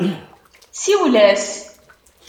Siwel-as.